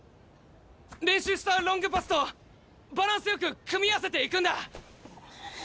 練習したロングパスとバランスよく組み合わせていくんだ！